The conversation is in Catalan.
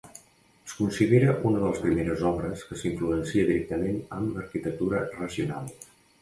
Es considera una de les primeres obres que s'influencia directament amb l'arquitectura racional.